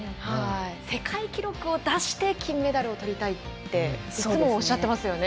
世界記録を出して金メダルをとりたいっていつもおっしゃっていますよね。